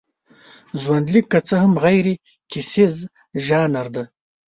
ژوندلیک که څه هم غیرکیسیز ژانر دی.